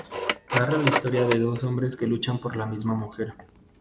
Narra la historia de dos hombres que luchan por la misma mujer.